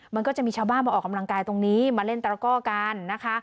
มันก็จะมีชาวบ้านมาออกกำลังกายตรงนี้มาเล่นตระก้อกันนะคะ